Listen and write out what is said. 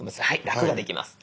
楽ができます。